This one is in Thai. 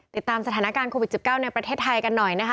ติดตามสถานการณ์โควิด๑๙ในประเทศไทยกันหน่อยนะคะ